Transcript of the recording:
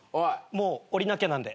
もう降りなきゃなんで。